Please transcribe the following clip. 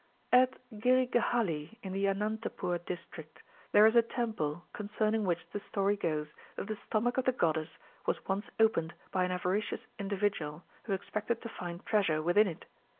At Girigehalli in the Anantapur district, there is a temple, concerning which the story goes that the stomach of the goddess was once opened by an avaricious individual, who expected to find treasure within it.